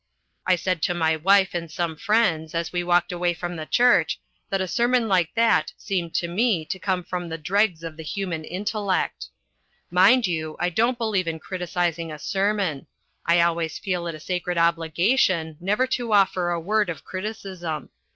I said to my wife and some friends, as we walked away from the church, that a sermon like that seemed to me to come from the dregs of the human intellect. Mind you, I don't believe in criticising a sermon. I always feel it a sacred obligation never to offer a word of criticism.